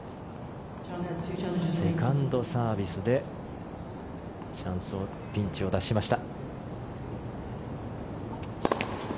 セカンドサービスでピンチを脱しました。